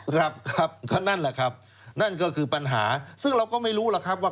ครับครับก็นั่นแหละครับนั่นก็คือปัญหาซึ่งเราก็ไม่รู้หรอกครับว่า